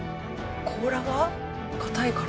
甲羅が硬いから？